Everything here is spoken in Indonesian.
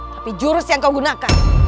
tapi jurus yang kau gunakan